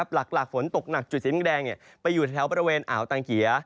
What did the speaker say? หลักฝนตกหนักจุดสีแดงไปอยู่แถวบริเวณอ่าวตังเกีย